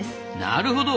なるほど。